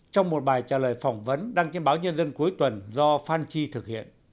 trong một bài trả lời phỏng vấn đăng trên báo nhân dân cuối tuần do phan chi thực hiện